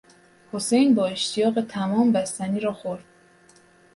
حسین با اشتیاق تمام بستنی را خورد.